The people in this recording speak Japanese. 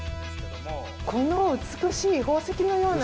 この美しい宝石のような。